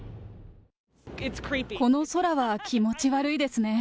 この空は気持ち悪いですね。